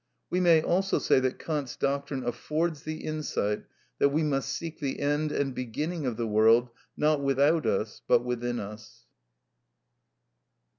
We may also say that Kant's doctrine affords the insight that we must seek the end and beginning of the world, not without, but within us.